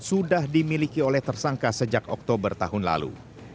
sudah dimiliki oleh tersangka sejak oktober tahun lalu